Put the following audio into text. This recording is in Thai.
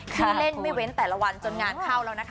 ที่เล่นไม่เว้นแต่ละวันจนงานเข้าแล้วนะคะ